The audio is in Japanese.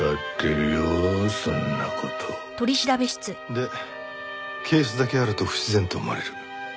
でケースだけあると不自然と思われる。